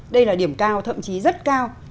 đây là điểm cao thậm chí rất cao